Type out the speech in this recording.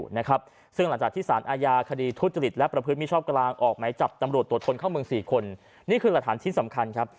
นี่คือหลัตฐานชิ้นสำคัญครับ